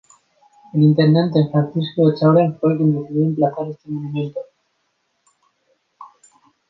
El intendente Francisco Echaurren fue quien decidió emplazar este monumento.